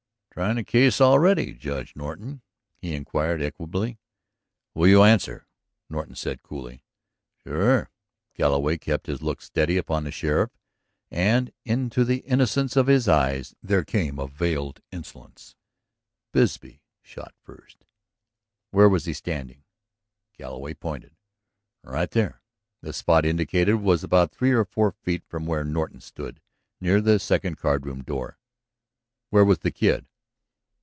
"Trying the case already, Judge Norton?" he inquired equably. "Will you answer?" Norton said coolly. "Sure." Galloway kept his look steady upon the sheriff's, and into the innocence of his eyes there came a veiled insolence. "Bisbee shot first." "Where was he standing?" Galloway pointed. "Right there." The spot indicated was about three or four feet from where Norton stood, near the second card room door. "Where was the Kid?"